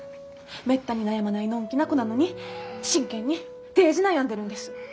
めったに悩まないのんきな子なのに真剣にデージ悩んでるんです。